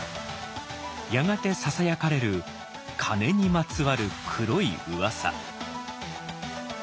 やがてささやかれる金にまつわる黒い噂。